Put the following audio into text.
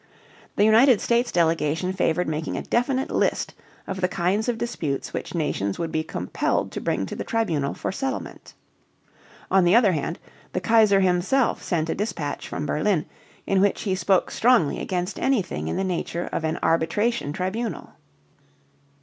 The United States delegation favored making a definite list of the kinds of disputes which nations would be compelled to bring to the tribunal for settlement. On the other hand, the Kaiser himself sent a dispatch from Berlin in which he spoke strongly against anything in the nature of an arbitration tribunal.